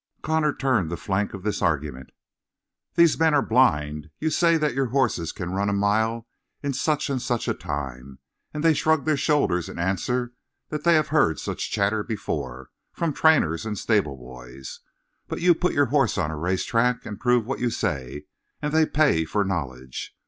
Connor turned the flank of this argument. "These men are blind. You say that your horses can run a mile in such and such a time, and they shrug their shoulders and answer that they have heard such chatter before from trainers and stable boys. But you put your horse on a race track and prove what you say, and they pay for knowledge.